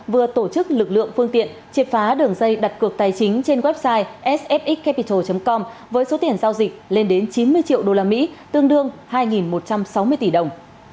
vừa tổ chức lực lượng phương tiện triệt phá đường dây đặt cược tài chính trên website sfxx capital com với số tiền giao dịch lên đến chín mươi triệu usd tương đương hai một trăm sáu mươi tỷ đồng